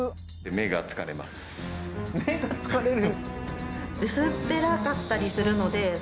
目が疲れる。